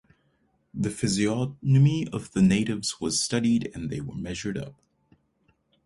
The physiognomy of the natives was studied and they were measured up.